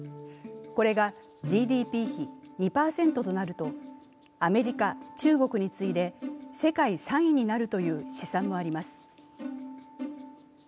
これがＧＤＰ比２％となると、アメリカ中国に次いで世界３位になるという試算もあります。